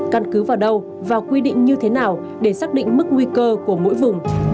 căn cứ vào đâu và quy định như thế nào để xác định mức nguy cơ của mỗi vùng